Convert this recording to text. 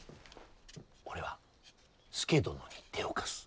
俺は佐殿に手を貸す。